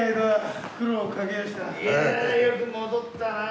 いやあよく戻ったなあ。